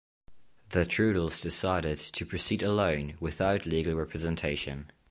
The Trudels decided to proceed alone, without legal representation.